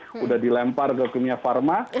sudah dilempar ke gemiapharma